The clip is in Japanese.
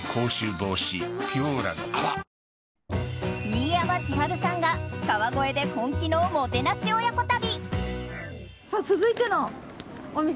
新山千春さんが川越で、本気のもてなし親子旅。